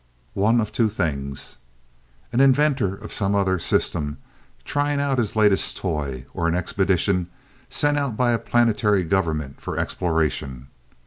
"One of two things: an inventor of some other system trying out his latest toy, or an expedition sent out by a planetary government for exploration.